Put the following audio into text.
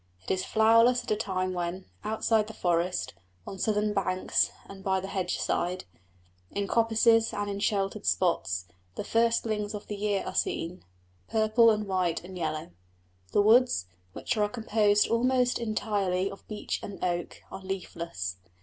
It is flowerless at a time when, outside the forest, on southern banks and by the hedge side, in coppices and all sheltered spots, the firstlings of the year are seen purple and white and yellow. The woods, which are composed almost entirely of beech and oak, are leafless.